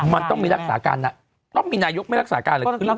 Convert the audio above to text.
มันต้องมีรักษาการต้องมีนายกไม่รักษาการเลย